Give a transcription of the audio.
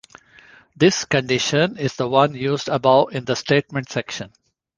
This condition is the one used above in the statement section.